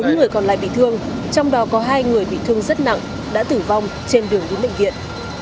bốn người còn lại bị thương trong đó có hai người bị thương rất nặng đã tử vong trên đường đến bệnh viện